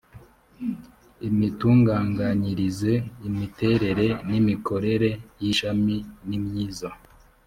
imitunganganyirize imiterere n imikorere y ishami nimyiza